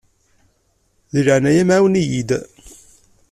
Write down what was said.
Di leɛnaya-m ɛawen-iyi-d.